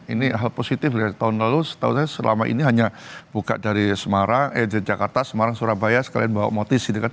ini hal positif dari tahun lalu setahu saya selama ini hanya buka dari semarang eh jakarta semarang surabaya sekalian bawa motis gitu kan